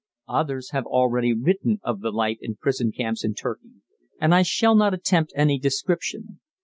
Others have already written of the life in prison camps in Turkey, and I shall not attempt any description.